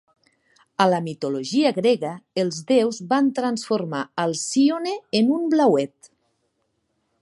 A la mitologia grega, els deus van transformar Alcíone en un blauet.